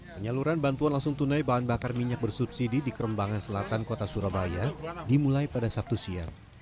penyaluran bantuan langsung tunai bahan bakar minyak bersubsidi di kerembangan selatan kota surabaya dimulai pada sabtu siang